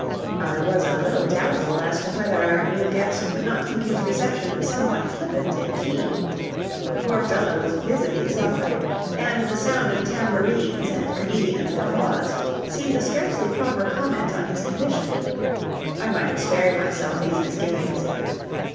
I was a little doubtful as to whether our new guest would not think his reception somewhat flippant in key. The poor fellow was visibly suffering, and the sound of tambourines and comedians' guffaws seemed a scarcely proper comment on his condition. I might have spared myself these misgivings.